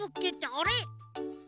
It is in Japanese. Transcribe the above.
あれ？